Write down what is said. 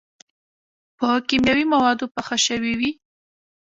پۀ کيماوي موادو پاخۀ شوي وي